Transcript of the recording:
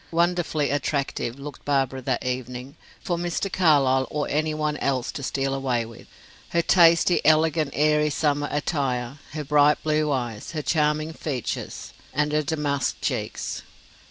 Wonderfully attractive looked Barbara that evening, for Mr. Carlyle or any one else to steal away with. Her tasty, elegant airy summer attire, her bright blue eyes, her charming features, and her damask cheeks!